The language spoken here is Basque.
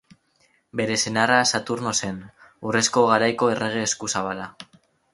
Bere senarra Saturno zen, urrezko garaiko errege eskuzabala.